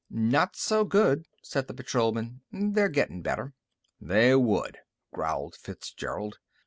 "Not so good," said the patrolman. "They're gettin' better." "They would," growled Fitzgerald.